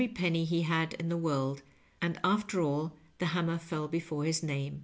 penny he had in the world, and after all the hammer fell before his name.